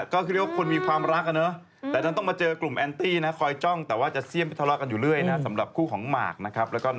โครงสิทธาไม่มีเทมโปรลิน